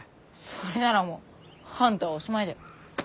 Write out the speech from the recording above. それならもうあんたはおしまいだよ。